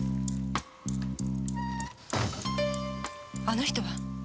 あの人は！？